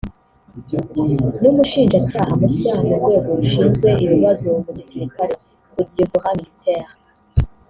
n’Umushinjacyaha mushya mu Rwego Rushinzwe Ibibazo mu Gisirikare (Auditorat Militaire)